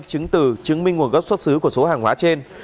chứng từ chứng minh nguồn gốc xuất xứ của số hàng hóa trên